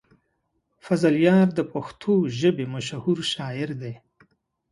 فضلیار د پښتو ژبې مشهور شاعر دی.